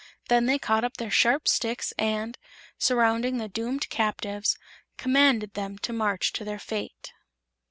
Then they caught up their sharp sticks and, surrounding the doomed captives, commanded them to march to meet their fate.